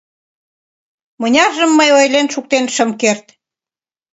Мыняржым мый ойлен шуктен шым керт.